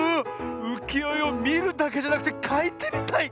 うきよえをみるだけじゃなくてかいてみたい！